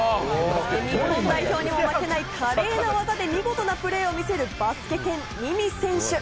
日本代表にも負けない華麗な技で見事なプレーを見せるバスケ犬・ミミ選手。